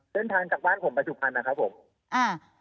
เส้นทางจากบ้านผมไปถึงภัณฑ์นะครับผม